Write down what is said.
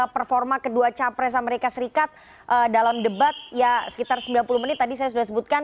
performa kedua capres amerika serikat dalam debat ya sekitar sembilan puluh menit tadi saya sudah sebutkan